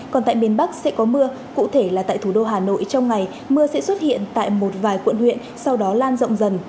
còn tại miền bắc sẽ có mưa cụ thể là tại thủ đô hà nội trong ngày mưa sẽ xuất hiện tại một vài quận huyện sau đó lan rộng dần